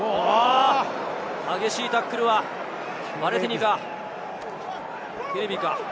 激しいタックルはヴァレティニか、ケレビか？